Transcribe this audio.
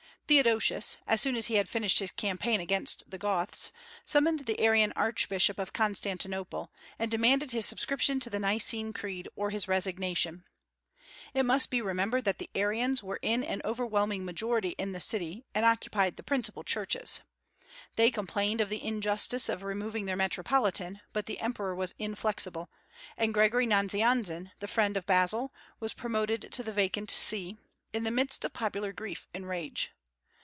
Theodosius, as soon as he had finished his campaign against the Goths, summoned the Arian archbishop of Constantinople, and demanded his subscription to the Nicene Creed or his resignation. It must be remembered that the Arians were in an overwhelming majority in the city, and occupied the principal churches. They complained of the injustice of removing their metropolitan, but the emperor was inflexible; and Gregory Nazianzen, the friend of Basil, was promoted to the vacant See, in the midst of popular grief and rage.